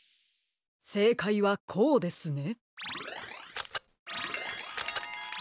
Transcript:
せいかいはこうですね。